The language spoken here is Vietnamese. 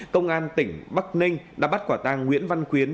công an tỉnh bắc ninh đã bắt quả tàng nguyễn văn quyến